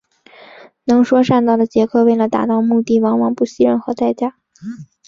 能说善道的杰克为了达到目的往往不惜任何代价。